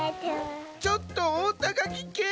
ちょっとおおたがきけ！